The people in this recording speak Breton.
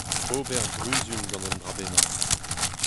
Ober bruzun gant un dra bennak.